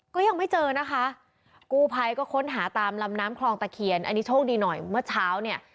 ก็ยังไม่เจอนะคะกูภัยก็ค้นหาตามลำน้ำคลองตะเคียนอันนี้โชคดีหน่อยเมื่อเช้าเนี่ย